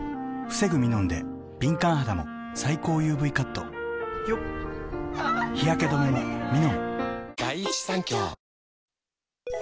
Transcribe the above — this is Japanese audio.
防ぐミノンで敏感肌も最高ＵＶカット日焼け止めもミノン！